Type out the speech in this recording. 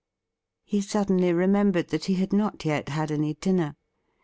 He suddenly remembered that he had not yet had any dinner.